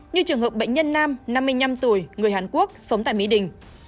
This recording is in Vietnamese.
như trường hợp bệnh nhân nam năm mươi năm tuổi người hàn quốc sống tại mỹ đình